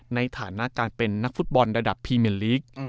ในฐานะการเป็นนักฟุตบอลระดับพรีเมนลีก